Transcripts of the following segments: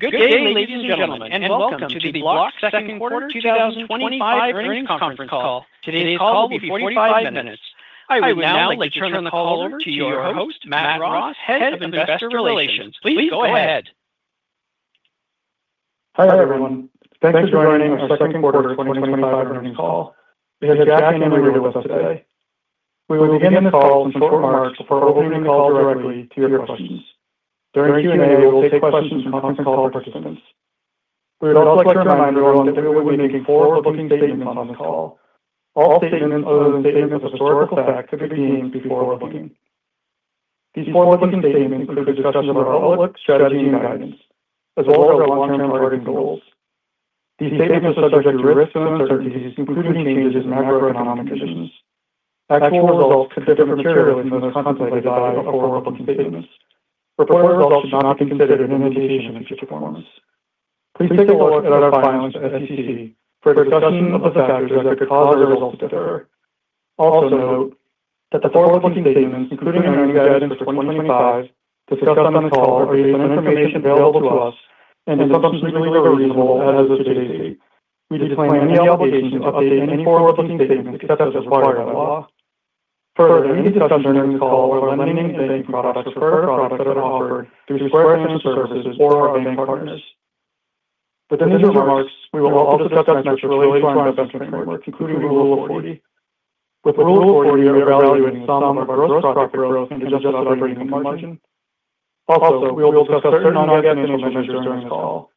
Good evening, ladies and gentlemen, and Welcome to the Block Second Quarter 2025 Earnings Conference call. Today's call will be 45 minutes. I would now like to turn the call over to your host, Matt Ross, Head of Investor Relations. Please go ahead. Hi everyone, thanks for joining our second quarter 2025 earnings call. We have a fascinating agenda with us today. We will begin the call with some short remarks before moving on directly to your questions. During Q&A, we will take questions from conference call participants. We would also like to remind everyone that we will be making forward-looking statements on the call. All statements will include statements of historical facts to be seen before forward-looking. These forward-looking statements include discussions about public strategy and guidance, as well as our long-term targeting goals. These statements are subject to risks and uncertainties, including changes in macroeconomic conditions. Actual results could differ materially from those contemplated by our forward-looking statements. Reported results do not consider any indication of future performance. Please take a look at our filings at SEC for a discussion of the factors that could cause our results to differ. Also note that the forward-looking statements, including earnings added into 2025, that discussed on the call are based on information available to us and is subsequently reviewed at SEC. We do claim any obligation to update any forward-looking statements to the status of prior law. Further, any discussions during the call will have anything to do with anything product or products that are offered through requests and services for our bank partners. Within these remarks, we will also discuss the next related asset management framework, including the Rule of 40. With the Rule of 40, we are evaluating some of the growth product growth and suggested value in the margin. Also, we will discuss certain non-aggregate management measures during this call.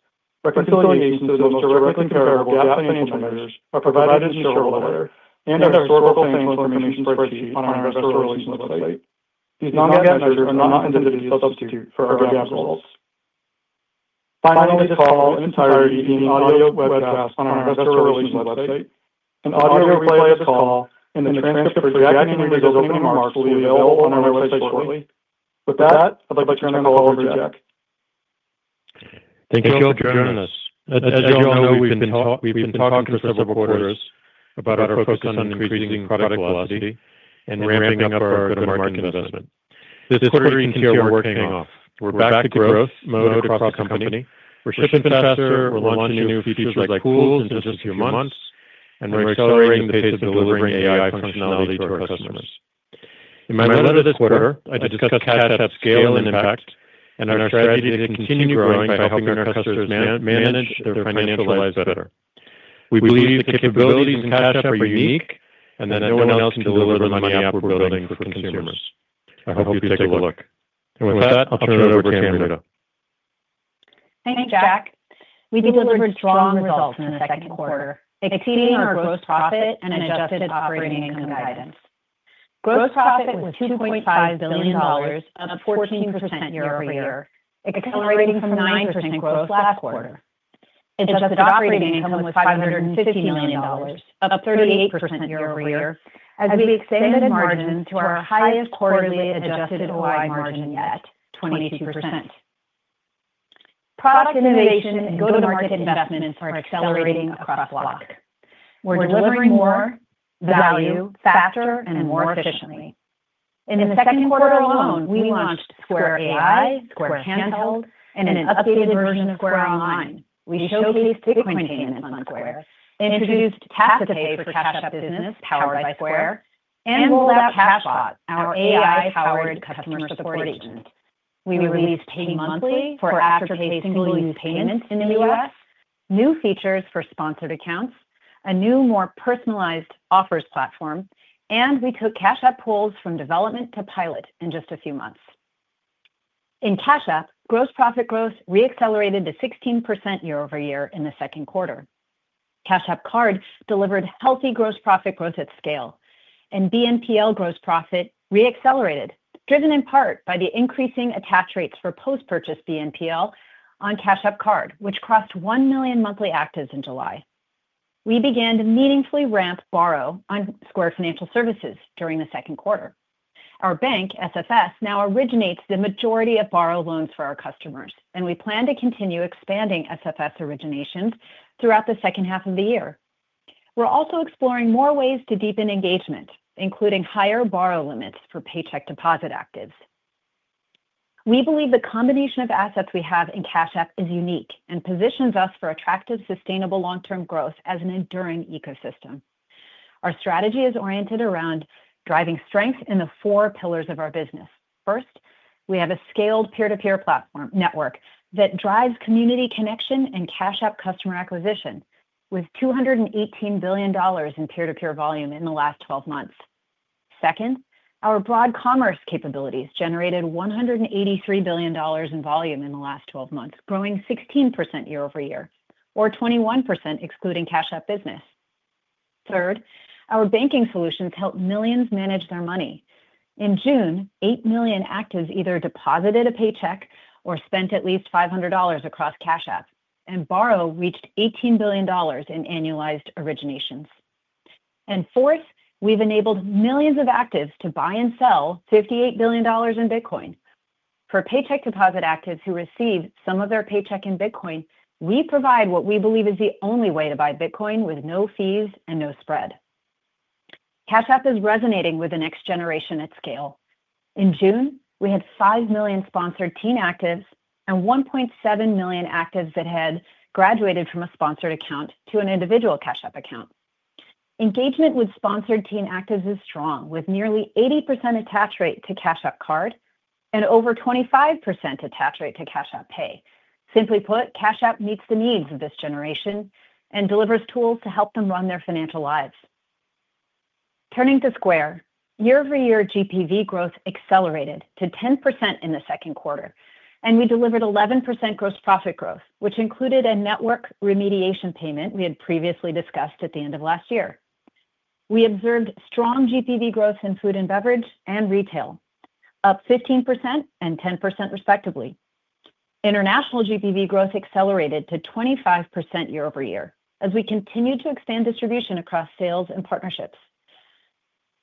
Our considerations of those directly comparable to asset management measures are provided in the short order, and our historical claims information is received on our Investor Relations website. These non-aggregate measures are not intended to be a substitute for our revamped results. Finally, the call in its entirety is being audio webcast on our Investor Relations website. An audio replay of this call and the transcript of the Jack Dorsey opening remark will be available on our website shortly. With that, I'd like to turn the call over to Jack. Thank you all for joining us. As you all know, we've been talking for several quarters about our focus on increasing product velocity and ramping up our market investment. This quarter, we can show we're working off. We're back to growth mode across the company. We're shifting faster, we're launching new features like tools in just a few months, and we're accelerating the pace of delivering AI functionality to our customers. In my letter this quarter, I discussed asset scale and impact, and our strategy is to continue growing by helping our customers manage their financial lives better. We believe the capabilities and tasks are unique, and that no one else can deliver the money we're building for consumers. I hope you take a look. With that, I'll turn it over to Amrita. Thank you, Jack. We delivered strong results in the second quarter, exceeding our gross profit and adjusted operating income guidance. Gross profit was $2.5 billion, up 14% year-over-year, accelerating from 9% growth last quarter. Adjusted operating income was $550 million, up 38% year-over-year, as we extended margin to our highest quarterly adjusted wide margin yet, 22%. Product innovation and go-to-market investments are accelerating across Block. We're delivering more value faster and more efficiently. In the second quarter alone, we launched Square AI, Square Handheld, and an updated version of Square Online. We showcased the quick payments on Square, introduced Tap to Pay for Business powered by Square, and rolled out TapBot, our AI-powered customer support agent. We released Pay Monthly for Afterpay single-use payments in the U.S., new features for sponsored accounts, a new, more personalized offers platform, and we took Cash App Pools from development to pilot in just a few months. In Cash App, gross profit growth reaccelerated to 16% year-over-year in the second quarter. Cash App Card delivered healthy gross profit growth at scale, and BNPL gross profit reaccelerated, driven in part by the increasing attach rates for post-purchase BNPL on Cash App Card, which crossed 1 million monthly actives in July. We began to meaningfully ramp Borrow on Square Financial Services during the second quarter. Our bank, SFS, now originates the majority of Borrow loans for our customers, and we plan to continue expanding SFS originations throughout the second half of the year. We're also exploring more ways to deepen engagement, including higher Borrow limits for paycheck deposit actives. We believe the combination of assets we have in Cash App is unique and positions us for attractive, sustainable long-term growth as an enduring ecosystem. Our strategy is oriented around driving strength in the four pillars of our business. First, we have a scaled peer-to-peer network that drives community connection and Cash App customer acquisition, with $218 billion in peer-to-peer volume in the last 12 months. Second, our broad commerce capabilities generated $183 billion in volume in the last 12 months, growing 16% year-over-year, or 21% excluding Cash App Business. Third, our banking solutions help millions manage their money. In June, 8 million actives either deposited a paycheck or spent at least $500 across Cash App, and borrow reached $18 billion in annualized originations. Fourth, we've enabled millions of actives to buy and sell $58 billion in Bitcoin. For paycheck deposit actives who receive some of their paycheck in Bitcoin, we provide what we believe is the only way to buy Bitcoin with no fees and no spread. Cash App is resonating with the next generation at scale. In June, we had 5 million sponsored teen actives and 1.7 million actives that had graduated from a sponsored account to an individual Cash App account. Engagement with sponsored teen actives is strong, with nearly 80% attach rate to Cash App Card and over 25% attach rate to Cash App Pay. Simply put, Cash App meets the needs of this generation and delivers tools to help them run their financial lives. Turning to Square, year-over- year, GPV growth accelerated to 10% in the second quarter, and we delivered 11% gross profit growth, which included a network remediation payment we had previously discussed at the end of last year. We observed strong GPV growth in food and beverage and retail, up 15% and 10% respectively. International GPV growth accelerated to 25% year-over-year as we continued to expand distribution across sales and partnerships.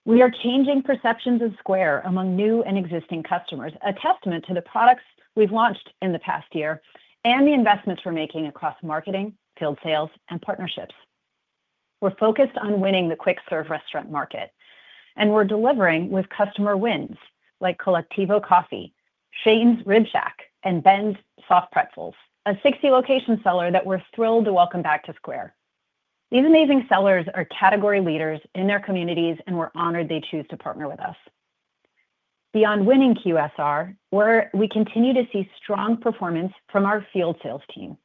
We are changing perceptions of Square among new and existing customers, a testament to the products we've launched in the past year and the investments we're making across marketing, field sales, and partnerships. We're focused on winning the quick-serve restaurant market, and we're delivering with customer wins like Collectivo Coffee, Shane's Rib Shack, and Ben's Soft Pretzels, a 60-location seller that we're thrilled to welcome back to Square. These amazing sellers are category leaders in their communities, and we're honored they choose to partner with us. Beyond winning QSR, we continue to see strong performance from our field sales team,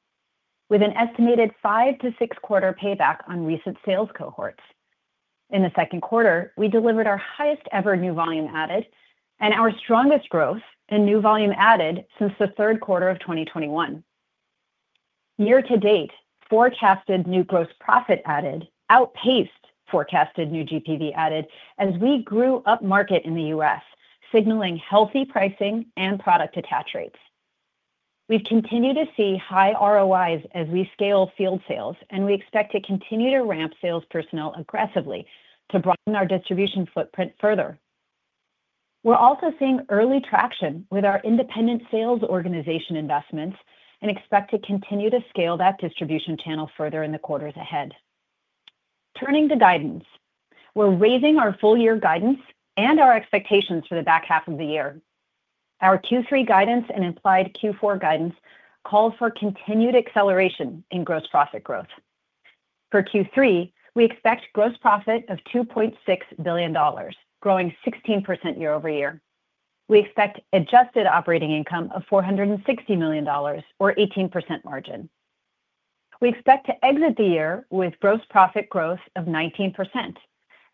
with an estimated five to six-quarter payback on recent sales cohorts. In the second quarter, we delivered our highest ever new volume added and our strongest growth in new volume added since the third quarter of 2021. Year to date, forecasted new gross profit added outpaced forecasted new GPV added as we grew up market in the U.S., signaling healthy pricing and product attach rates. We've continued to see high ROIs as we scale field sales, and we expect to continue to ramp sales personnel aggressively to broaden our distribution footprint further. We're also seeing early traction with our independent sales organization investments and expect to continue to scale that distribution channel further in the quarters ahead. Turning to guidance, we're raising our full-year guidance and our expectations for the back half of the year. Our Q3 guidance and implied Q4 guidance call for continued acceleration in gross profit growth. For Q3, we expect gross profit of $2.6 billion, growing 16% year-over-year. We expect adjusted operating income of $460 million, or 18% margin. We expect to exit the year with gross profit growth of 19%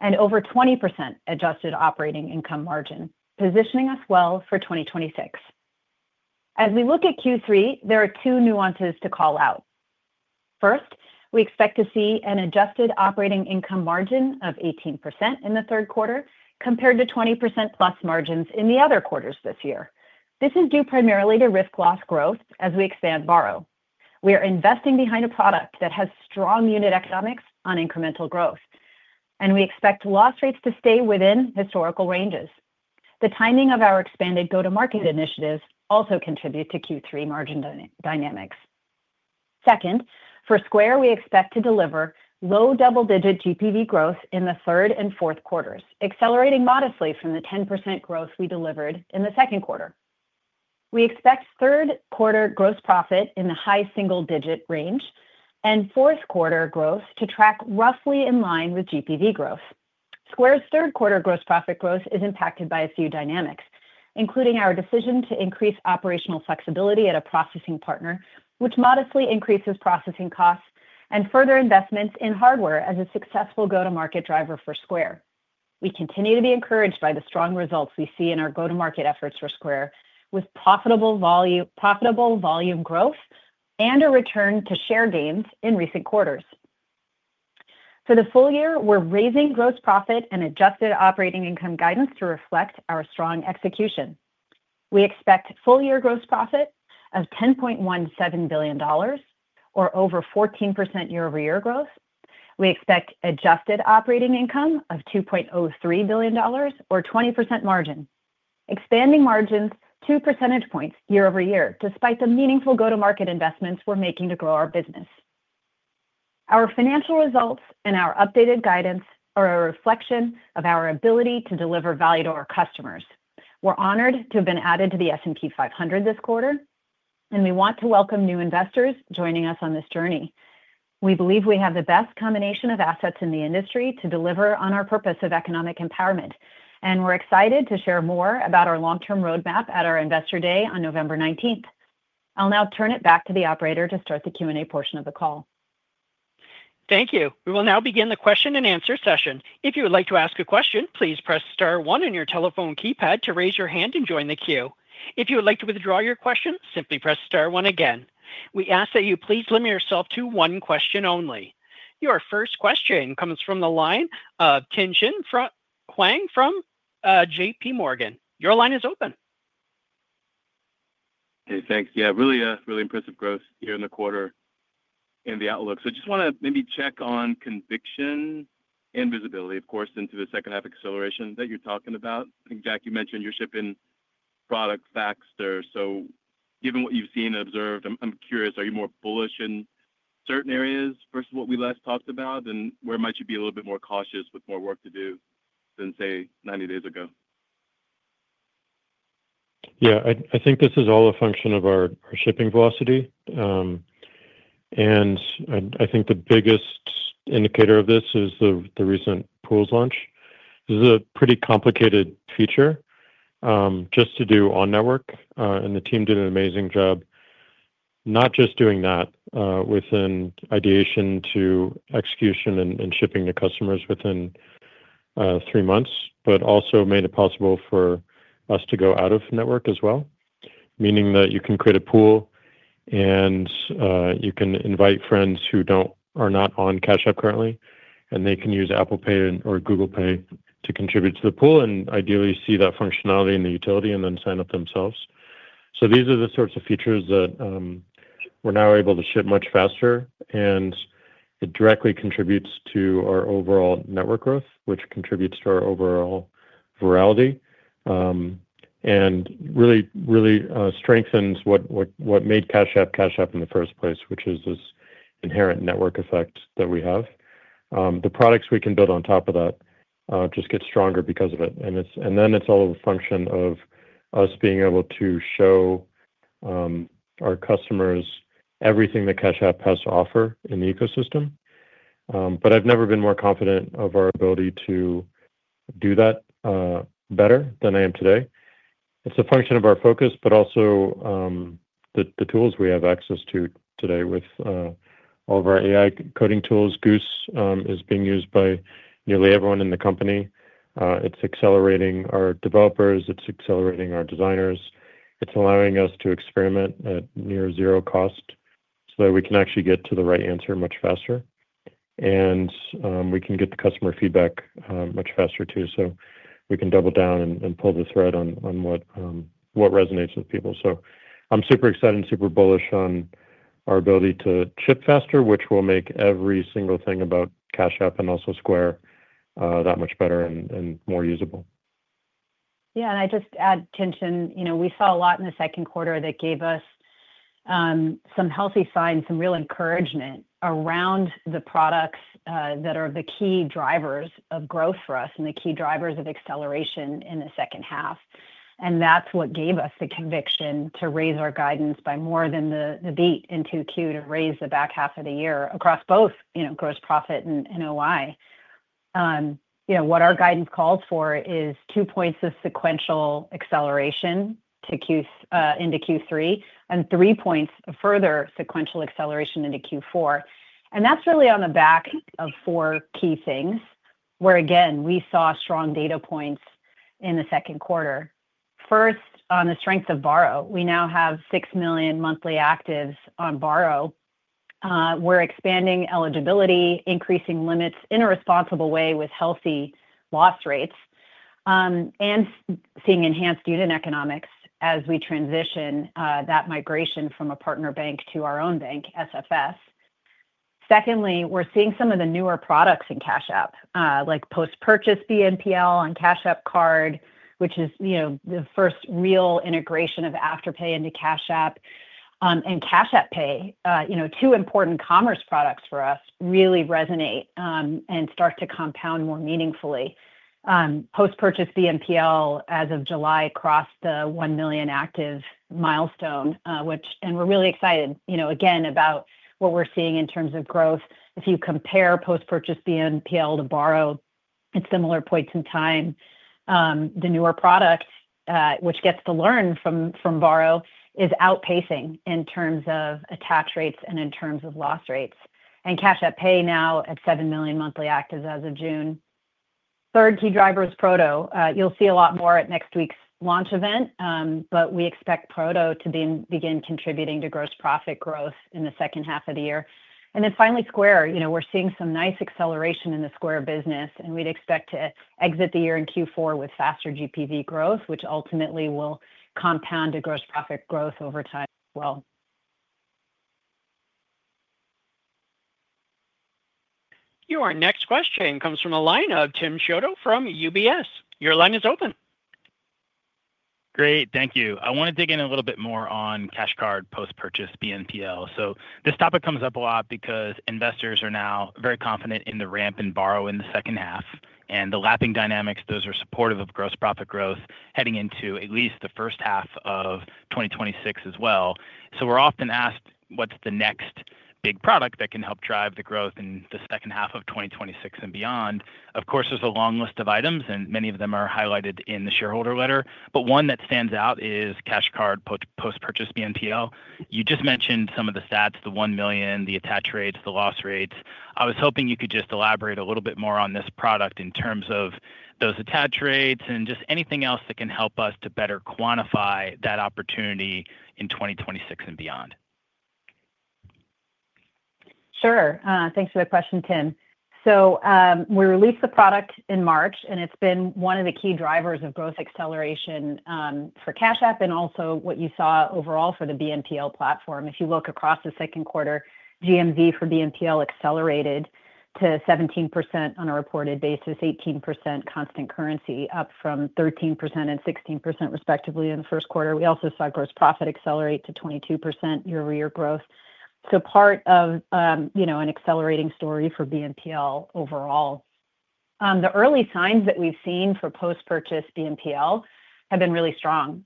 and over 20% adjusted operating income margin, positioning us well for 2026. As we look at Q3, there are two nuances to call out. First, we expect to see an adjusted operating income margin of 18% in the third quarter compared to 20%+ margins in the other quarters this year. This is due primarily to risk loss growth as we expand borrow. We are investing behind a product that has strong unit economics on incremental growth, and we expect loss rates to stay within historical ranges. The timing of our expanded go-to-market initiatives also contributes to Q3 margin dynamics. Second, for Square, we expect to deliver low double-digit GPV growth in the third and fourth quarters, accelerating modestly from the 10% growth we delivered in the second quarter. We expect third quarter gross profit in the high single-digit range and fourth quarter growth to track roughly in line with GPV growth. Square's third quarter gross profit growth is impacted by a few dynamics, including our decision to increase operational flexibility at a processing partner, which modestly increases processing costs and further investments in hardware as a successful go-to-market driver for Square. We continue to be encouraged by the strong results we see in our go-to-market efforts for Square, with profitable volume growth and a return to share gains in recent quarters. For the full year, we're raising gross profit and adjusted operating income guidance to reflect our strong execution. We expect full-year gross profit of $10.17 billion, or over 14% year-over-year growth. We expect adjusted operating income of $2.03 billion, or 20% margin. Expanding margins two percentage points YoY, despite the meaningful go-to-market investments we're making to grow our business. Our financial results and our updated guidance are a reflection of our ability to deliver value to our customers. We're honored to have been added to the S&P 500 this quarter, and we want to welcome new investors joining us on this journey. We believe we have the best combination of assets in the industry to deliver on our purpose of economic empowerment, and we're excited to share more about our long-term roadmap at our Investor Day on November 19th, 2024. I'll now turn it back to the operator to start the Q&A portion of the call. Thank you. We will now begin the question and answer session. If you would like to ask a question, please press star one on your telephone keypad to raise your hand and join the queue. If you would like to withdraw your question, simply press star one again. We ask that you please limit yourself to one question only. Your first question comes from the line of Tingshen Huang from J.P. Morgan. Your line is open. Hey, thanks. Really, really impressive growth here in the quarter in the outlook. I just want to maybe check on conviction and visibility, of course, into the second half acceleration that you're talking about. I think, Jack, you mentioned you're shipping products faster. Given what you've seen and observed, I'm curious, are you more bullish in certain areas versus what we last talked about? Where might you be a little bit more cautious with more work to do than, say, 90 days ago? Yeah, I think this is all a function of our shipping velocity. I think the biggest indicator of this is the recent Cash App Pools launch. This is a pretty complicated feature just to do on network, and the team did an amazing job not just doing that within ideation to execution and shipping to customers within three months, but also made it possible for us to go out of network as well, meaning that you can create a pool and you can invite friends who are not on Cash App currently, and they can use Apple Pay or Google Pay to contribute to the pool and ideally see that functionality and the utility and then sign up themselves. These are the sorts of features that we're now able to ship much faster, and it directly contributes to our overall network growth, which contributes to our overall virality and really, really strengthens what made Cash App Cash App in the first place, which is this inherent network effect that we have. The products we can build on top of that just get stronger because of it. It's all a function of us being able to show our customers everything that Cash App has to offer in the ecosystem. I've never been more confident of our ability to do that better than I am today. It's a function of our focus, but also the tools we have access to today with all of our AI coding tools. Goose is being used by nearly everyone in the company. It's accelerating our developers. It's accelerating our designers. It's allowing us to experiment at near zero cost so that we can actually get to the right answer much faster. We can get the customer feedback much faster, too, so we can double down and pull the thread on what resonates with people. I'm super excited and super bullish on our ability to ship faster, which will make every single thing about Cash App and also Square that much better and more usable. Yeah, I just add, Tingshen, we saw a lot in the second quarter that gave us some healthy signs, some real encouragement around the products that are the key drivers of growth for us and the key drivers of acceleration in the second half. That is what gave us the conviction to raise our guidance by more than the beat in Q2 to raise the back half of the year across both gross profit and OI. What our guidance calls for is two points of sequential acceleration into Q3 and three points of further sequential acceleration into Q4. That is really on the back of four key things where, again, we saw strong data points in the second quarter. First, on the strength of borrow, we now have 6 million monthly actives on borrow. We are expanding eligibility, increasing limits in a responsible way with healthy loss rates, and seeing enhanced unit economics as we transition that migration from a partner bank to our own bank, SFS. Secondly, we are seeing some of the newer products in Cash App, like post-purchase BNPL and Cash App Card, which is the first real integration of Afterpay into Cash App, and Cash App Pay, two important commerce products for us, really resonate and start to compound more meaningfully. Post-purchase BNPL, as of July, crossed the 1 million active milestone, and we are really excited, again, about what we are seeing in terms of growth. If you compare post-purchase BNPL to borrow at similar points in time, the newer product, which gets to learn from borrow, is outpacing in terms of attach rates and in terms of loss rates. Cash App Pay now at 7 million monthly actives as of June. Third key driver is Proto. You will see a lot more at next week's launch event, but we expect Proto to begin contributing to gross profit growth in the second half of the year. Finally, Square. We are seeing some nice acceleration in the Square business, and we would expect to exit the year in Q4 with faster GPV growth, which ultimately will compound to gross profit growth over time as well. Your next question comes from a line of Tim Shoto from UBS. Your line is open. Great, thank you. I want to dig in a little bit more on Cash App Card post-purchase BNPL. This topic comes up a lot because investors are now very confident in the ramp in borrow in the second half and the lapping dynamics. Those are supportive of gross profit growth heading into at least the first half of 2026 as well. We're often asked, what's the next big product that can help drive the growth in the second half of 2026 and beyond? Of course, there's a long list of items, and many of them are highlighted in the shareholder letter, but one that stands out is Cash App Card post-purchase BNPL. You just mentioned some of the stats, the 1 million, the attach rates, the loss rates. I was hoping you could just elaborate a little bit more on this product in terms of those attach rates and just anything else that can help us to better quantify that opportunity in 2026 and beyond. Sure, thanks for the question, Tim. We released the product in March, and it's been one of the key drivers of growth acceleration for Cash App and also what you saw overall for the BNPL platform. If you look across the second quarter, GMV for BNPL accelerated to 17% on a reported basis, 18% constant currency, up from 13% and 16% respectively in the first quarter. We also saw gross profit accelerate to 22% YoY growth, part of an accelerating story for BNPL overall. The early signs that we've seen for post-purchase BNPL have been really strong: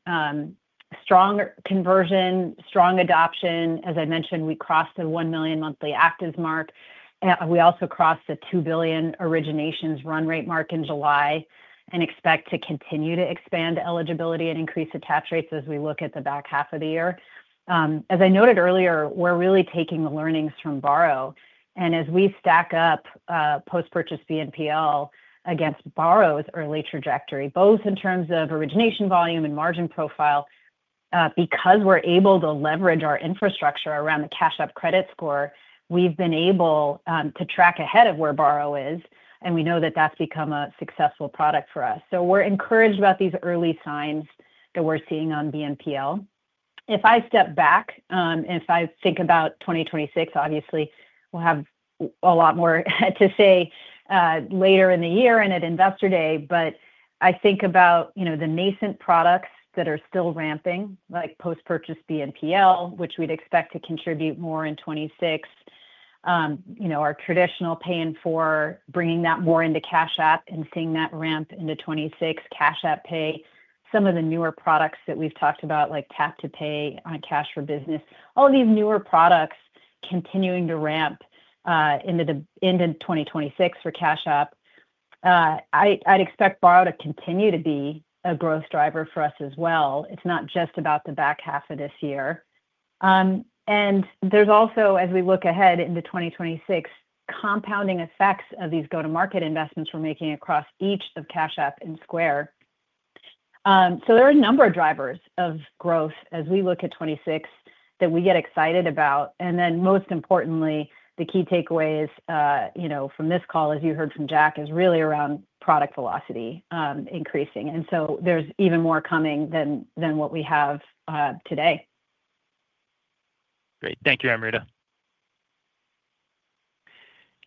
strong conversion, strong adoption. As I mentioned, we crossed the 1 million monthly actives mark. We also crossed the $2 billion originations run rate mark in July and expect to continue to expand eligibility and increase attach rates as we look at the back half of the year. As I noted earlier, we're really taking the learnings from borrow, and as we stack up post-purchase BNPL against borrow's early trajectory, both in terms of origination volume and margin profile, because we're able to leverage our infrastructure around the Cash App credit score, we've been able to track ahead of where borrow is, and we know that that's become a successful product for us. We're encouraged about these early signs that we're seeing on BNPL. If I step back and think about 2026, obviously, we'll have a lot more to say later in the year and at Investor Day, but I think about the nascent products that are still ramping, like post-purchase BNPL, which we'd expect to contribute more in 2026, our traditional pay-in-four, bringing that more into Cash App, and seeing that ramp into 2026, Cash App Pay, some of the newer products that we've talked about, like Tap to Pay for Business, all these newer products continuing to ramp into 2026 for Cash App. I'd expect borrow to continue to be a growth driver for us as well. It's not just about the back half of this year. As we look ahead into 2026, there are compounding effects of these go-to-market investments we're making across each of Cash App and Square. There are a number of drivers of growth as we look at 2026 that we get excited about. Most importantly, the key takeaways from this call, as you heard from Jack, are really around product velocity increasing. There's even more coming than what we have today. Great, thank you, Amrita.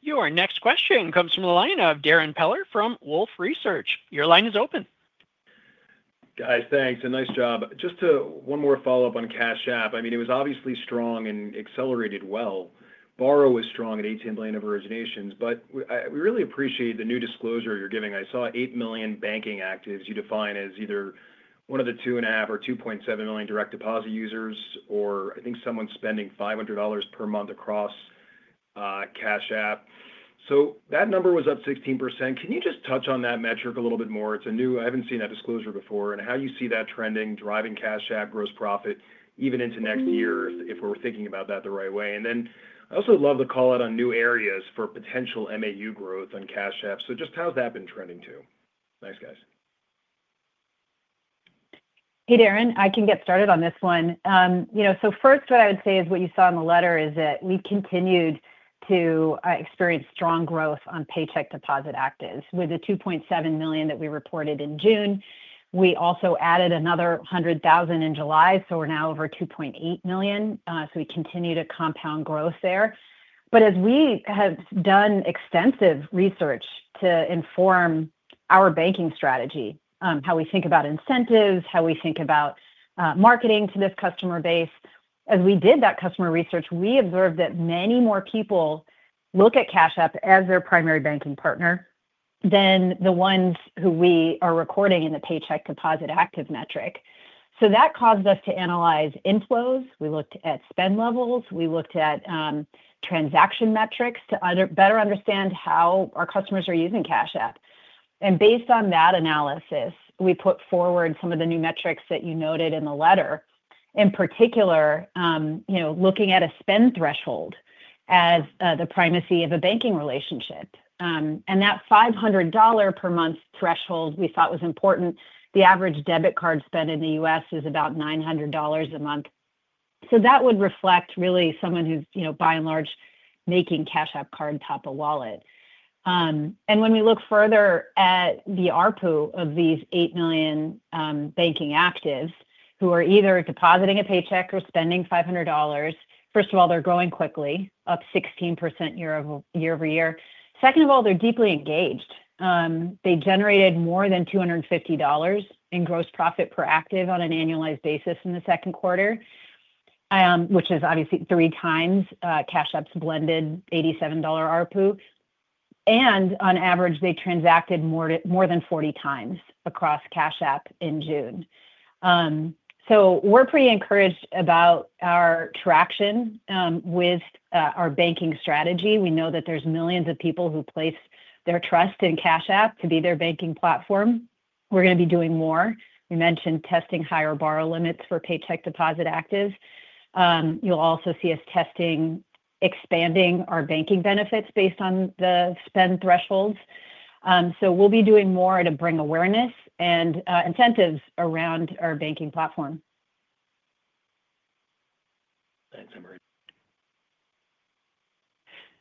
Your next question comes from the line of Darren Peller from Wolfe Research. Your line is open. Guys, thanks. A nice job. Just one more follow-up on Cash App. I mean, it was obviously strong and accelerated well. Borrow was strong at $18 million of originations, but we really appreciate the new disclosure you're giving. I saw 8 million banking actives you define as either one of the 2.5 or 2.7 million direct deposit users, or I think someone spending $500 per month across Cash App. That number was up 16%. Can you just touch on that metric a little bit more? It's new, I haven't seen that disclosure before. How do you see that trending driving Cash App gross profit even into next year if we're thinking about that the right way? I also love the call out on new areas for potential MAU growth on Cash App. Just how's that been trending too? Thanks, guys. Hey, Darren. I can get started on this one. First, what I would say is what you saw in the letter is that we continued to experience strong growth on paycheck deposit actives. With the 2.7 million that we reported in June, we also added another $100,000 in July, so we're now over 2.8 million. We continue to compound growth there. As we have done extensive research to inform our banking strategy, how we think about incentives, how we think about marketing to this customer base, as we did that customer research, we observed that many more people look at Cash App as their primary banking partner than the ones who we are recording in the paycheck deposit active metric. That caused us to analyze inflows. We looked at spend levels. We looked at transaction metrics to better understand how our customers are using Cash App. Based on that analysis, we put forward some of the new metrics that you noted in the letter. In particular, looking at a spend threshold as the primacy of a banking relationship. That $500 per month threshold we thought was important. The average debit card spend in the U.S. is about $900 a month. That would reflect really someone who's, by and large, making Cash App Card top of wallet. When we look further at the ARPU of these 8 million banking actives who are either depositing a paycheck or spending $500, first of all, they're growing quickly, up 16% YoY. Second of all, they're deeply engaged. They generated more than $250 in gross profit per active on an annualized basis in the second quarter, which is obviously three times Cash App's blended $87 ARPU. On average, they transacted more than 40 times across Cash App in June. We're pretty encouraged about our traction with our banking strategy. We know that there's millions of people who place their trust in Cash App to be their banking platform. We're going to be doing more. We mentioned testing higher borrow limits for paycheck deposit actives. You'll also see us testing expanding our banking benefits based on the spend thresholds. We'll be doing more to bring awareness and incentives around our banking platform.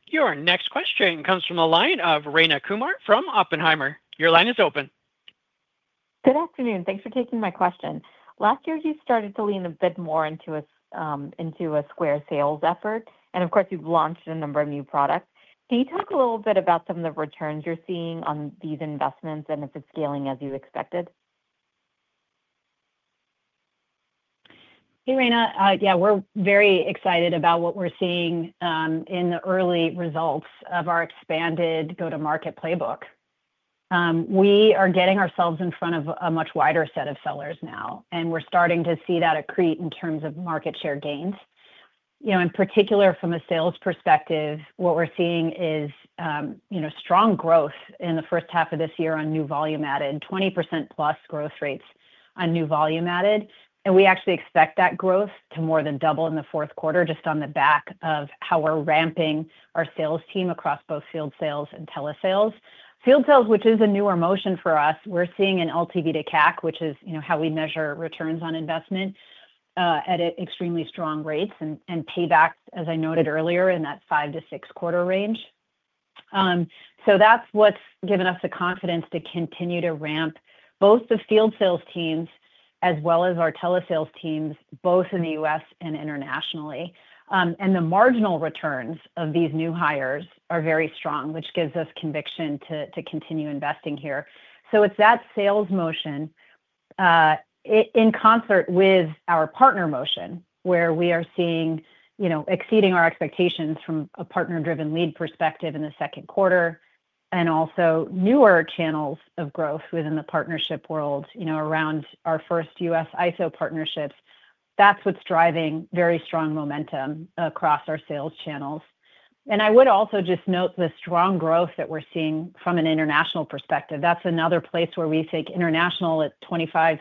Your next question comes from a line of Reina Kumar from Oppenheimer. Your line is open. Good afternoon. Thanks for taking my question. Last year, you started to lean a bit more into a Square sales effort. Of course, you've launched a number of new products. Can you talk a little bit about some of the returns you're seeing on these investments and if it's scaling as you expected? Hey, Reina. Yeah, we're very excited about what we're seeing in the early results of our expanded go-to-market playbook. We are getting ourselves in front of a much wider set of sellers now, and we're starting to see that accrete in terms of market share gains. In particular, from a sales perspective, what we're seeing is strong growth in the first half of this year on new volume added, 20%+ growth rates on new volume added. We actually expect that growth to more than double in the fourth quarter, just on the back of how we're ramping our sales team across both field sales and telesales. Field sales, which is a newer motion for us, we're seeing an LTV/CAC, which is how we measure returns on investment, at extremely strong rates and payback, as I noted earlier, in that five to six quarter range. That's what's given us the confidence to continue to ramp both the field sales teams as well as our telesales teams, both in the U.S. and internationally. The marginal returns of these new hires are very strong, which gives us conviction to continue investing here. It's that sales motion in concert with our partner motion, where we are seeing exceeding our expectations from a partner-driven lead perspective in the second quarter, and also newer channels of growth within the partnership world around our first U.S.-ISO partnerships. That's what's driving very strong momentum across our sales channels. I would also just note the strong growth that we're seeing from an international perspective. That's another place where we think international at 25%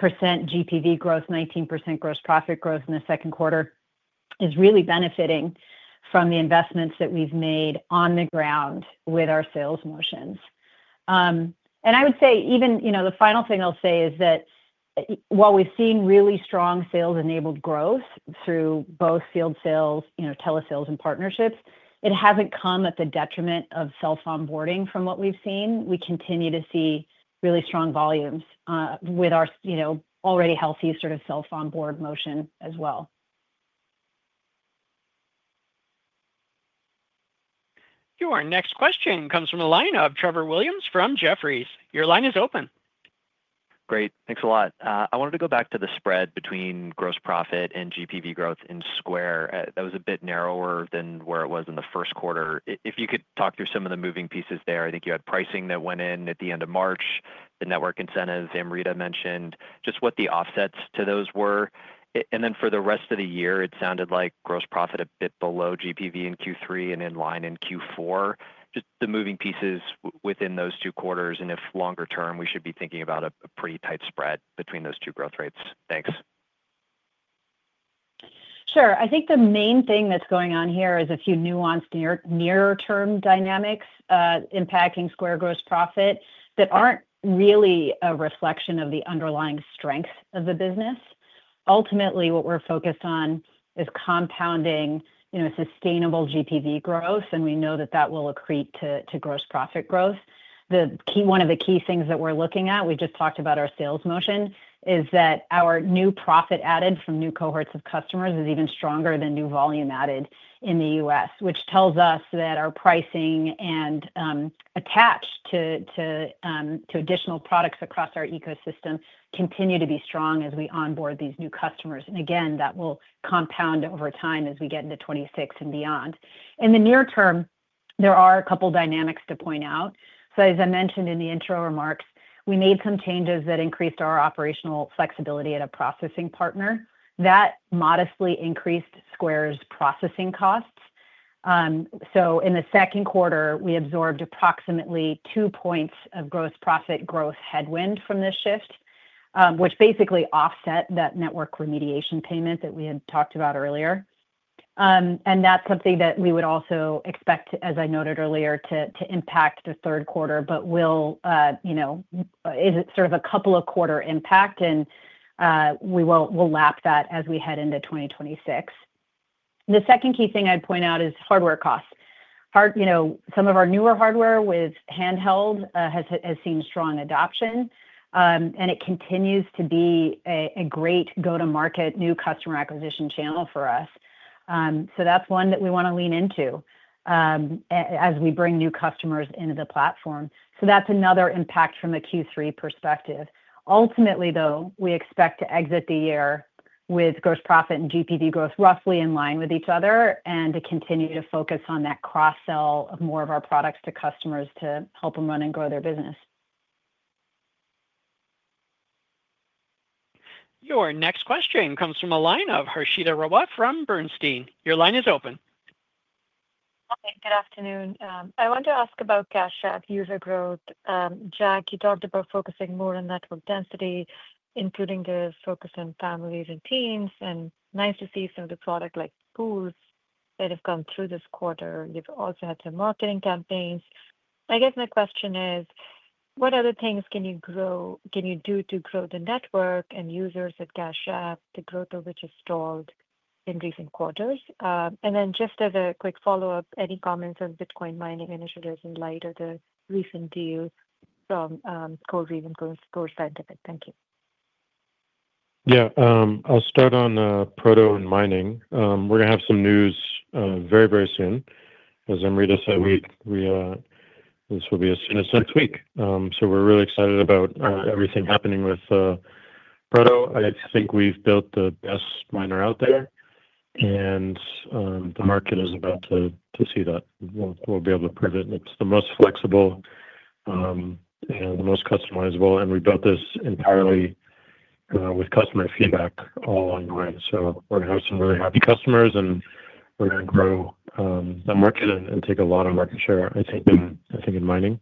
GPV growth, 19% gross profit growth in the second quarter is really benefiting from the investments that we've made on the ground with our sales motions. I would say even the final thing I'll say is that while we've seen really strong sales-enabled growth through both field sales, telesales, and partnerships, it hasn't come at the detriment of self-onboarding from what we've seen. We continue to see really strong volumes with our already healthy sort of self-onboard motion as well. Your next question comes from a line of Trevor Williams from Jefferies. Your line is open. Great, thanks a lot. I wanted to go back to the spread between gross profit and GPV growth in Square. That was a bit narrower than where it was in the first quarter. If you could talk through some of the moving pieces there, I think you had pricing that went in at the end of March, the network incentives Amrita mentioned, just what the offsets to those were. For the rest of the year, it sounded like gross profit a bit below GPV in Q3 and in line in Q4. Just the moving pieces within those two quarters, and if longer term, we should be thinking about a pretty tight spread between those two growth rates. Thanks. Sure. I think the main thing that's going on here is a few nuanced near-term dynamics impacting Square gross profit that aren't really a reflection of the underlying strength of the business. Ultimately, what we're focused on is compounding sustainable GPV growth, and we know that that will accrete to gross profit growth. One of the key things that we're looking at, we just talked about our sales motion, is that our new profit added from new cohorts of customers is even stronger than new volume added in the U.S., which tells us that our pricing and attach to additional products across our ecosystem continue to be strong as we onboard these new customers. That will compound over time as we get into 2026 and beyond. In the near term, there are a couple of dynamics to point out. As I mentioned in the intro remarks, we made some changes that increased our operational flexibility at a processing partner. That modestly increased Square's processing costs. In the second quarter, we absorbed approximately 2% of gross profit growth headwind from this shift, which basically offset that network remediation payment that we had talked about earlier. That's something that we would also expect, as I noted earlier, to impact the third quarter. It is sort of a couple of quarter impact, and we will lap that as we head into 2026. The second key thing I'd point out is hardware costs. Some of our newer hardware with Square Handheld has seen strong adoption, and it continues to be a great go-to-market new customer acquisition channel for us. That's one that we want to lean into as we bring new customers into the platform. That's another impact from the Q3 perspective. Ultimately, though, we expect to exit the year with gross profit and GPV growth roughly in line with each other and to continue to focus on that cross-sell of more of our products to customers to help them run and grow their business. Your next question comes from a line of Hershita Rawat from Bernstein. Your line is open. Okay, good afternoon. I want to ask about Cash App user growth. Jack, you talked about focusing more on network density, including the focus on families and teams, and nice to see some of the products like Pools that have come through this quarter. You've also had some marketing campaigns. I guess my question is, what other things can you do to grow the network and users at Cash App, the growth of which has stalled in recent quarters? As a quick follow-up, any comments on Bitcoin mining initiatives in light of the recent deal from Cold Reason Core Scientific? Thank you. Yeah, I'll start on Proto and mining. We're going to have some news very, very soon. As Amrita said, this will be as soon as next week. We're really excited about everything happening with Proto. I think we've built the best miner out there, and the market is about to see that. We'll be able to prove it. It's the most flexible and most customizable, and we built this entirely with customer feedback all online. We're going to have some really happy customers, and we're going to grow that market and take a lot of market share, I think, in mining.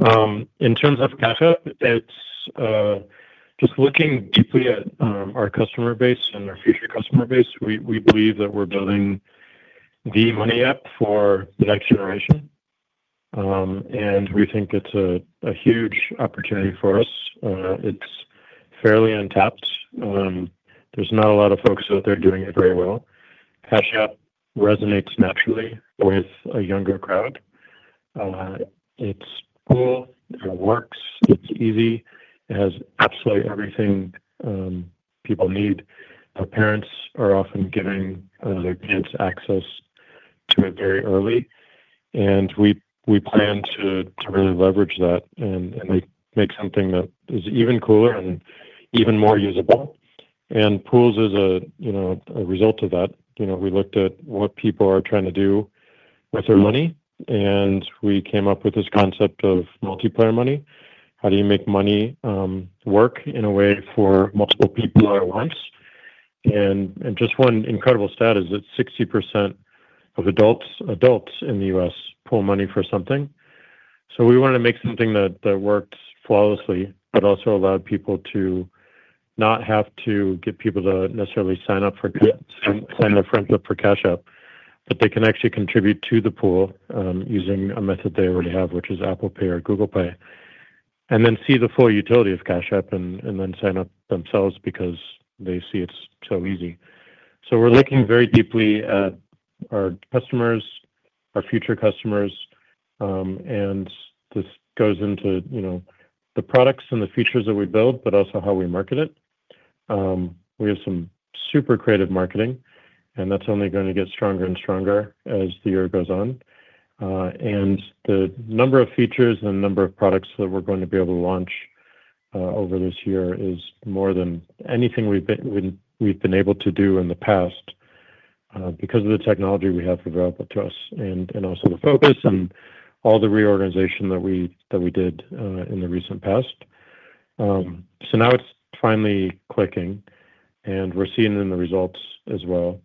In terms of Cash App, it's just looking deeply at our customer base and our future customer base. We believe that we're building the money app for the next generation, and we think it's a huge opportunity for us. It's fairly untapped. There's not a lot of folks out there doing it very well. Cash App resonates naturally with a younger crowd. It's cool. It works. It's easy. It has absolutely everything people need. Our parents are often giving their kids access to it very early, and we plan to really leverage that and make something that is even cooler and even more usable. Pools is a result of that. We looked at what people are trying to do with their money, and we came up with this concept of multiplayer money. How do you make money work in a way for multiple people at once? One incredible stat is that 60% of adults in the U.S. pool money for something. We wanted to make something that worked flawlessly, but also allowed people to not have to get people to necessarily sign up for consent on the front for Cash App, but they can actually contribute to the pool using a method they already have, which is Apple Pay or Google Pay, and then see the full utility of Cash App and then sign up themselves because they see it's so easy. We're looking very deeply at our customers, our future customers, and this goes into the products and the features that we build, but also how we market it. We have some super creative marketing, and that's only going to get stronger and stronger as the year goes on. The number of features and the number of products that we're going to be able to launch over this year is more than anything we've been able to do in the past because of the technology we have available to us and also the focus and all the reorganization that we did in the recent past. Now it's finally clicking, and we're seeing in the results as well.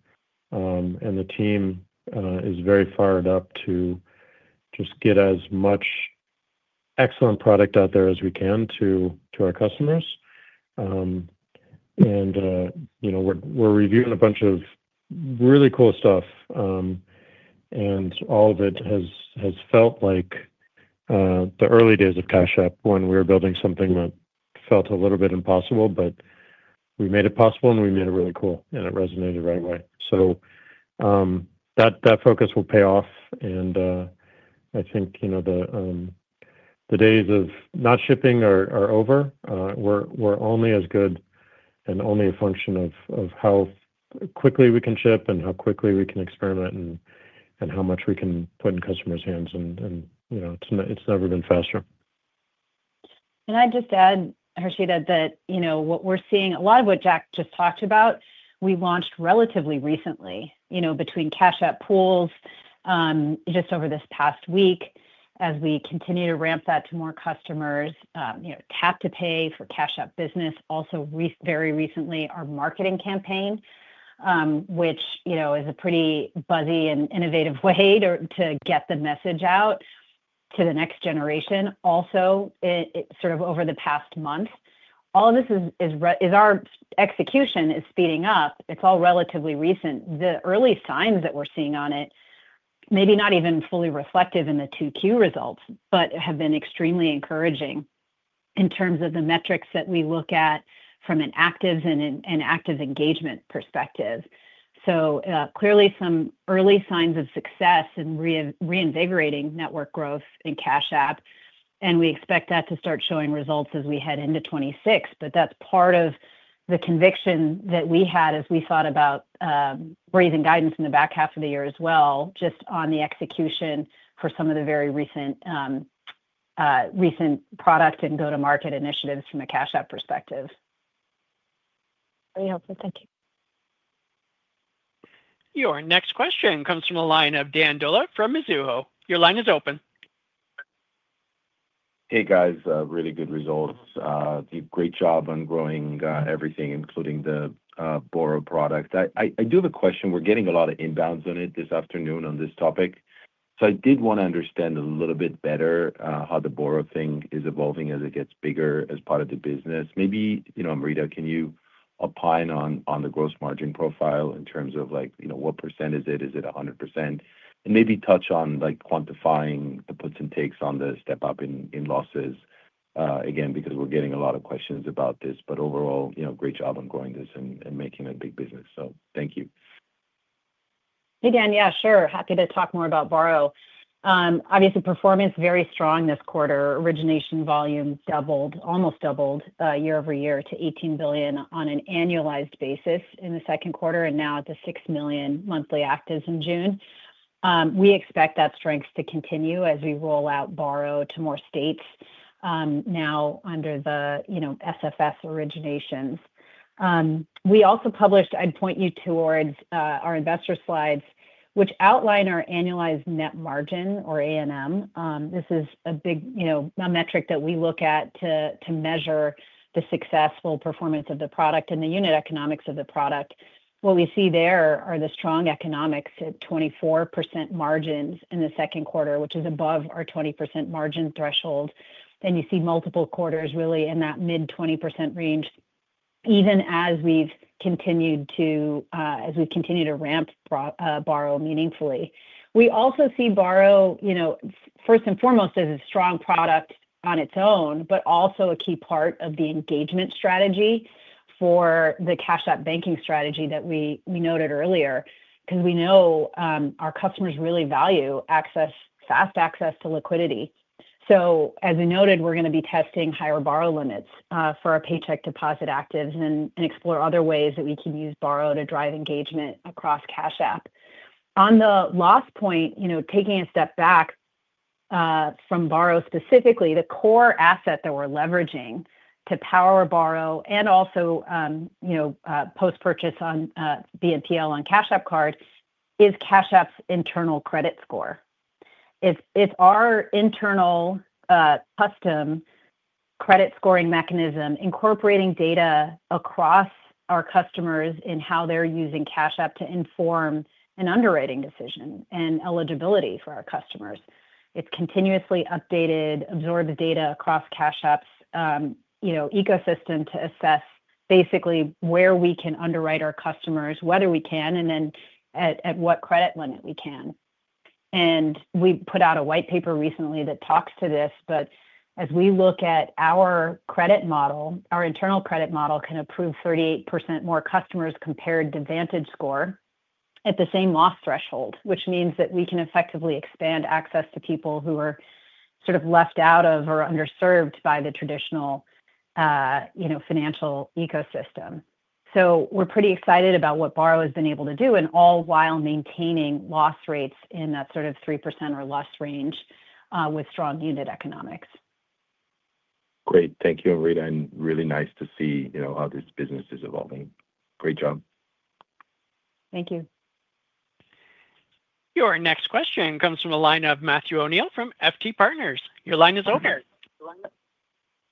The team is very fired up to just get as much excellent product out there as we can to our customers. We are reviewing a bunch of really cool stuff, and all of it has felt like the early days of Cash App when we were building something that felt a little bit impossible, but we made it possible, we made it really cool, and it resonated the right way. That focus will pay off. I think the days of not shipping are over. We are only as good and only a function of how quickly we can ship and how quickly we can experiment and how much we can put in customers' hands. It has never been faster. Can I just add, Hershita, that you know what we're seeing, a lot of what Jack just talked about, we launched relatively recently, between Cash App Pools just over this past week as we continue to ramp that to more customers, Tap to Pay for Cash App Business, also very recently our marketing campaign, which is a pretty buzzy and innovative way to get the message out to the next generation. Also, it's sort of over the past month. All of this is our execution is speeding up. It's all relatively recent. The early signs that we're seeing on it may be not even fully reflective in the 2Q results, but have been extremely encouraging in terms of the metrics that we look at from an actives and an active engagement perspective. Clearly, some early signs of success in reinvigorating network growth in Cash App, and we expect that to start showing results as we head into 2026. That's part of the conviction that we had as we thought about raising guidance in the back half of the year as well, just on the execution for some of the very recent product and go-to-market initiatives from a Cash App perspective. Very helpful. Thank you. Your next question comes from a line of Dan Dolev from Mizuho. Your line is open. Hey, guys. Really good results. Great job on growing everything, including the borrow product. I do have a question. We're getting a lot of inbounds on it this afternoon on this topic. I did want to understand a little bit better how the borrow thing is evolving as it gets bigger as part of the business. Maybe, you know, Amrita, can you opine on the gross margin profile in terms of like, you know, what % is it? Is it 100%? Maybe touch on quantifying the puts and takes on the step up in losses, again, because we're getting a lot of questions about this. Overall, great job on growing this and making a big business. Thank you. Again, yeah, sure. Happy to talk more about Borrow. Obviously, performance very strong this quarter. Origination volume almost doubled year-over-year to $18 billion on an annualized basis in the second quarter, and now at the 6 million monthly actives in June. We expect that strength to continue as we roll out Borrow to more states now under the SFS originations. We also published, I'd point you towards our investor slides, which outline our annualized net margin, or ANM. This is a big, you know, a metric that we look at to measure the successful performance of the product and the unit economics of the product. What we see there are the strong economics at 24% margins in the second quarter, which is above our 20% margin threshold. You see multiple quarters really in that mid-20% range, even as we continue to ramp Borrow meaningfully. We also see Borrow, first and foremost, as a strong product on its own, but also a key part of the engagement strategy for the Cash App banking strategy that we noted earlier, because we know our customers really value access, fast access to liquidity. As we noted, we're going to be testing higher Borrow limits for our paycheck deposit actives and explore other ways that we can use Borrow to drive engagement across Cash App. On the loss point, taking a step back from Borrow specifically, the core asset that we're leveraging to power Borrow and also post-purchase on BNPL on Cash App Card is Cash App's internal credit score. It's our internal custom credit scoring mechanism, incorporating data across our customers in how they're using Cash App to inform an underwriting decision and eligibility for our customers. It's continuously updated, absorbs data across Cash App's ecosystem to assess basically where we can underwrite our customers, whether we can, and then at what credit limit we can. We put out a white paper recently that talks to this, but as we look at our credit model, our internal credit model can approve 38% more customers compared to Vantage Score at the same loss threshold, which means that we can effectively expand access to people who are sort of left out of or underserved by the traditional financial ecosystem. We're pretty excited about what Borrow has been able to do, all while maintaining loss rates in that sort of 3% or less range with strong unit economics. Great. Thank you, Amrita. Really nice to see how this business is evolving. Great job. Thank you. Your next question comes from a line of Matthew O'Neill from FT Partners. Your line is over.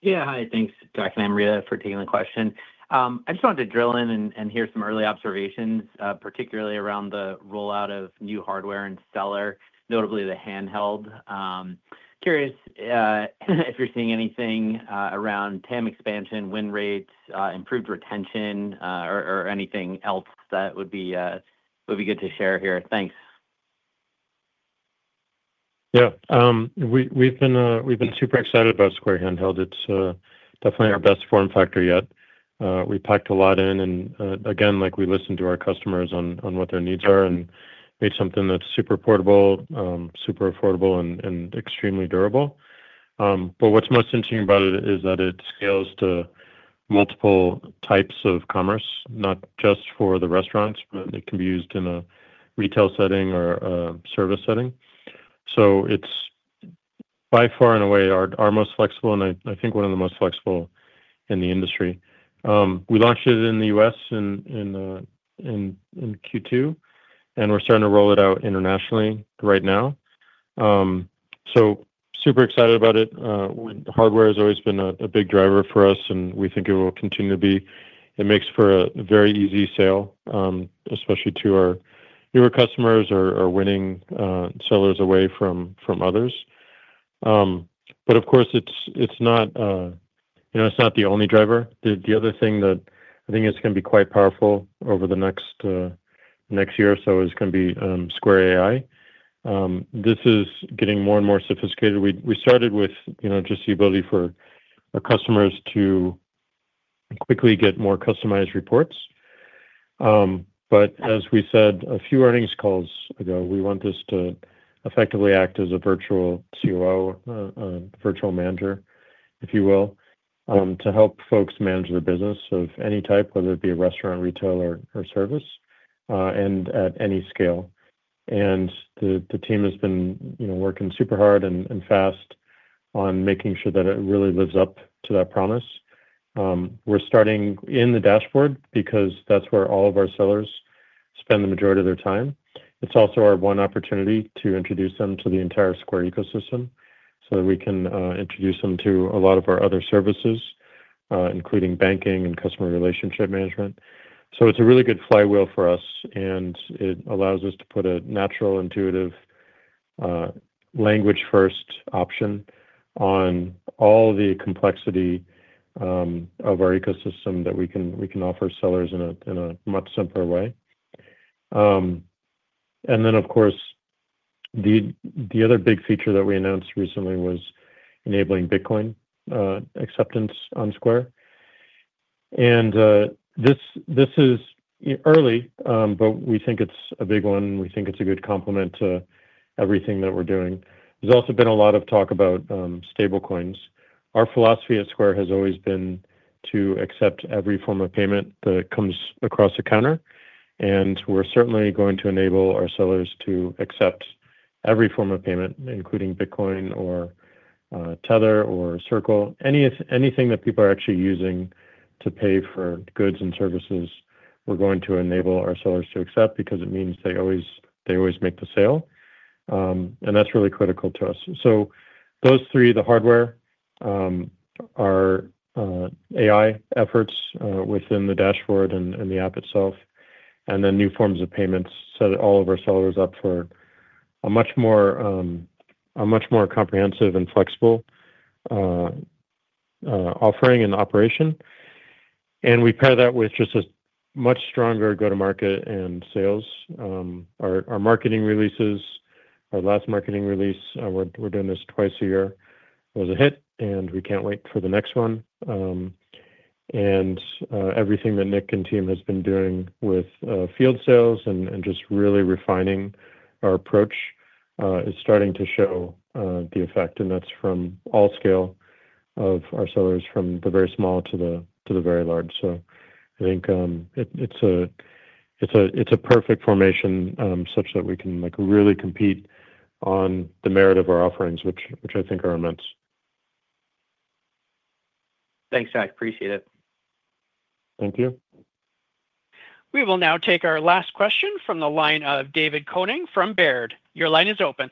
Yeah, hi. Thanks, Jack and Amrita, for taking the question. I just wanted to drill in and hear some early observations, particularly around the rollout of new hardware and, stellar, notably the Square Handheld. Curious if you're seeing anything around TAM expansion, win rates, improved retention, or anything else that would be good to share here. Thanks. Yeah, we've been super excited about Square Handheld. It's definitely our best form factor yet. We packed a lot in, and again, we listened to our customers on what their needs are and made something that's super portable, super affordable, and extremely durable. What's most interesting about it is that it scales to multiple types of commerce, not just for the restaurants. It can be used in a retail setting or a service setting. It's by far, in a way, our most flexible, and I think one of the most flexible in the industry. We launched it in the U.S. in Q2, and we're starting to roll it out internationally right now. We're super excited about it. Hardware has always been a big driver for us, and we think it will continue to be. It makes for a very easy sale, especially to our newer customers or winning sellers away from others. Of course, it's not the only driver. The other thing that I think is going to be quite powerful over the next year or so is going to be Square AI. This is getting more and more sophisticated. We started with just the ability for our customers to quickly get more customized reports. As we said a few earnings calls ago, we want this to effectively act as a virtual COO, virtual manager, if you will, to help folks manage their business of any type, whether it be a restaurant, retail, or service, and at any scale. The team has been working super hard and fast on making sure that it really lives up to that promise. We're starting in the dashboard because that's where all of our sellers spend the majority of their time. It's also our one opportunity to introduce them to the entire Square ecosystem so that we can introduce them to a lot of our other services, including banking and customer relationship management. It's a really good flywheel for us, and it allows us to put a natural, intuitive, language-first option on all the complexity of our ecosystem that we can offer sellers in a much simpler way. The other big feature that we announced recently was enabling Bitcoin acceptance on Square. This is early, but we think it's a big one. We think it's a good complement to everything that we're doing. There's also been a lot of talk about stablecoins. Our philosophy at Square has always been to accept every form of payment that comes across the counter, and we're certainly going to enable our sellers to accept every form of payment, including Bitcoin or Tether or Circle, anything that people are actually using to pay for goods and services. We're going to enable our sellers to accept because it means they always make the sale, and that's really critical to us. Those three, the hardware, our AI efforts within the dashboard and the app itself, and then new forms of payments, set all of our sellers up for a much more comprehensive and flexible offering and operation. We pair that with just a much stronger go-to-market and sales. Our marketing releases, our last marketing release, we're doing this twice a year, was a hit, and we can't wait for the next one. Everything that Nick and team have been doing with field sales and just really refining our approach is starting to show the effect, and that's from all scale of our sellers, from the very small to the very large. I think it's a perfect formation such that we can really compete on the merit of our offerings, which I think are immense. Thanks, Jack. Appreciate it. Thank you. We will now take our last question from the line of Dave Koning from Baird. Your line is open.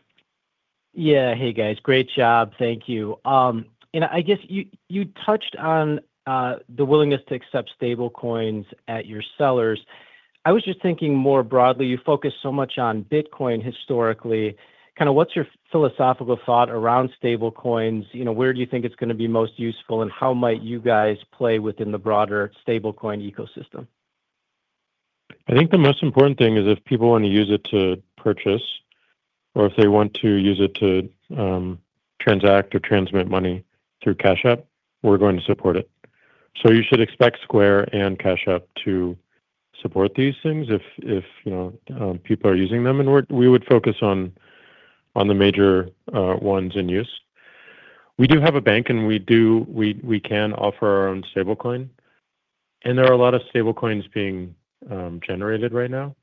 Yeah, hey guys, great job. Thank you. I guess you touched on the willingness to accept stablecoins at your sellers. I was just thinking more broadly, you focus so much on Bitcoin historically. Kind of what's your philosophical thought around stablecoins? You know, where do you think it's going to be most useful and how might you guys play within the broader stablecoin ecosystem? I think the most important thing is if people want to use it to purchase or if they want to use it to transact or transmit money through Cash App, we're going to support it. You should expect Square and Cash App to support these things if people are using them, and we would focus on the major ones in use. We do have a bank and we can offer our own stablecoin, and there are a lot of stablecoins being generated right now.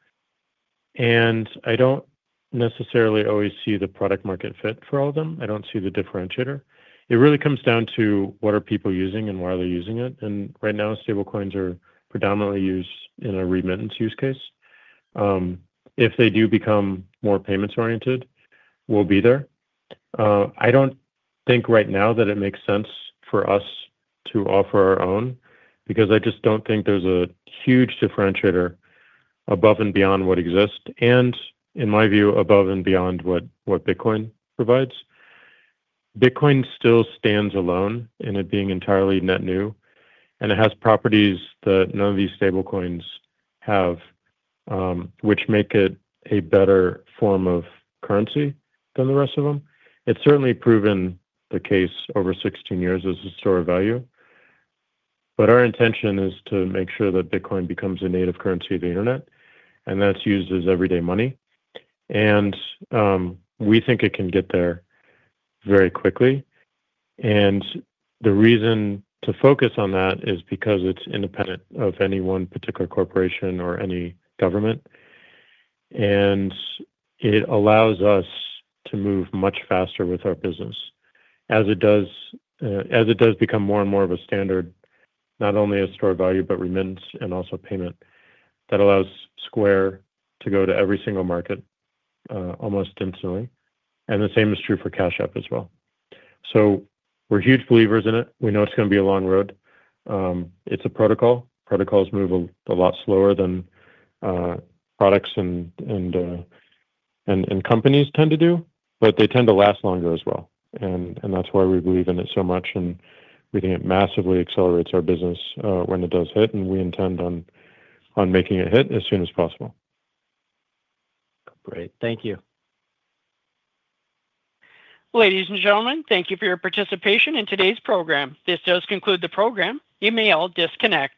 I don't necessarily always see the product-market fit for all of them. I don't see the differentiator. It really comes down to what are people using and why are they using it. Right now, stablecoins are predominantly used in a remittance use case. If they do become more payments-oriented, we'll be there. I don't think right now that it makes sense for us to offer our own because I just don't think there's a huge differentiator above and beyond what exists, and in my view, above and beyond what Bitcoin provides. Bitcoin still stands alone in it being entirely net new, and it has properties that none of these stablecoins have, which make it a better form of currency than the rest of them. It's certainly proven the case over 16 years as a store of value. Our intention is to make sure that Bitcoin becomes a native currency of the internet, and that's used as everyday money. We think it can get there very quickly. The reason to focus on that is because it's independent of any one particular corporation or any government. It allows us to move much faster with our business, as it does become more and more of a standard, not only a store of value, but remittance and also payment that allows Square to go to every single market almost instantly. The same is true for Cash App as well. We're huge believers in it. We know it's going to be a long road. It's a protocol. Protocols move a lot slower than products and companies tend to do, but they tend to last longer as well. That's why we believe in it so much, and we think it massively accelerates our business when it does hit, and we intend on making it hit as soon as possible. Great, thank you. Ladies and gentlemen, thank you for your participation in today's program. This does conclude the program. You may all disconnect.